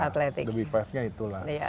the big five nya itulah